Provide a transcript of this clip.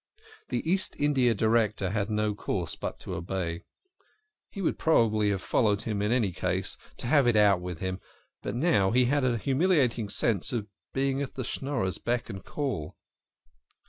The East India Director had no course but to obey. He would probably have followed him in any case, to have it out with him, but now he had a humiliating sense of being at the SchnorreSs beck and call.